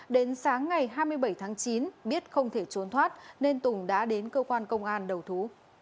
đến sáng ngày hai mươi bảy tháng chín biết không thể trốn thoát nên tùng đã đến cơ quan công an đầu thú